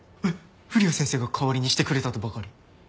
古谷先生が代わりにしてくれたとばかり。